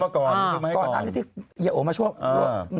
ก่อนนั้นที่เยียโอมาช่วง